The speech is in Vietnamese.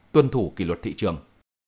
tuân thủ kỷ luật thị trường